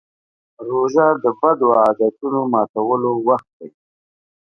روژه د بدو عادتونو ماتولو وخت دی.